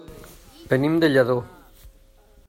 Venim de Lladó.